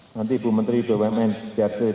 nanti ibu menteri bumn biar cerita